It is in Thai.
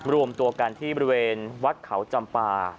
รวมตัวกันที่บริเวณวัดเขาจำปา